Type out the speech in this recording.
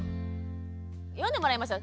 読んでもらいましょう。